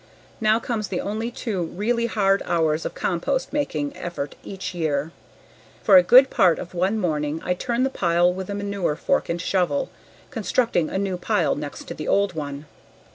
Now comes the only two really hard hours of compost making effort each year. For a good part of one morning I turn the pile with a manure fork and shovel, constructing a new pile next to the old one.